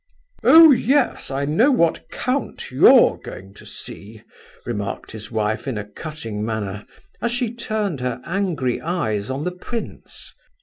"Oh, yes—I know what count you're going to see!" remarked his wife in a cutting manner, as she turned her angry eyes on the prince.